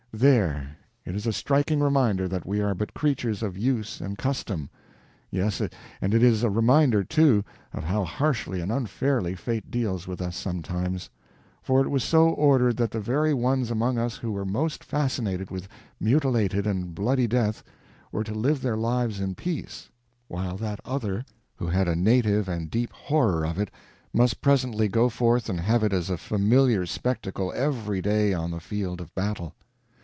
There—it is a striking reminder that we are but creatures of use and custom; yes, and it is a reminder, too, of how harshly and unfairly fate deals with us sometimes. For it was so ordered that the very ones among us who were most fascinated with mutilated and bloody death were to live their lives in peace, while that other, who had a native and deep horror of it, must presently go forth and have it as a familiar spectacle every day on the field of battle.